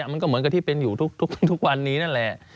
มันก็เหมือนกับที่เป็นอยู่ทุกวันนี้นั่นแหละ